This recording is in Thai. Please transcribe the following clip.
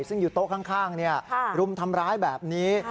ซึ่งอยู่โต๊ะข้างรุมทำร้ายแบบนี้